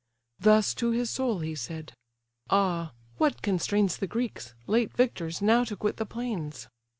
Thus to his soul he said: "Ah! what constrains The Greeks, late victors, now to quit the plains?